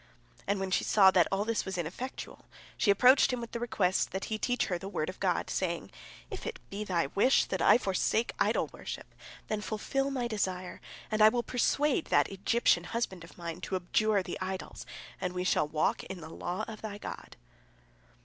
And when she saw that all this was ineffectual , she approached him with the request that he teach her the word of God, saying, "If it be thy wish that I forsake idol worship, then fulfil my desire, and I will persuade that Egyptian husband of mine to abjure the idols, and we shall walk in the law of thy God."